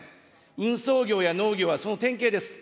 運送業や農業は、その典型です。